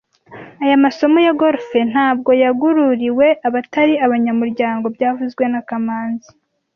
Aya masomo ya golf ntabwo yugururiwe abatari abanyamuryango byavuzwe na kamanzi